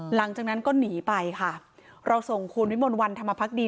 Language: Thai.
หลังจากนั้นก็หนีไปค่ะเราส่งคุณวิมลวันธรรมพักดี